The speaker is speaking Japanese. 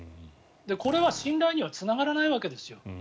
これは信頼にはつながらないわけですよ。